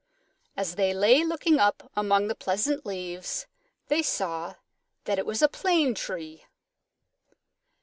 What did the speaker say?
As they lay looking up among the pleasant leaves, they saw that it was a Plane Tree.